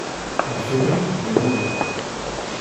D kemm i yiwin ul-iw.